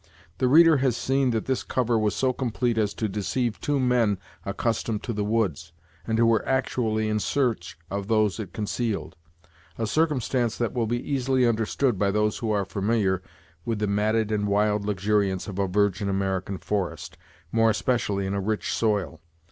The reader has seen that this cover was so complete as to deceive two men accustomed to the woods, and who were actually in search of those it concealed; a circumstance that will be easily understood by those who are familiar with the matted and wild luxuriance of a virgin American forest, more especially in a rich soil.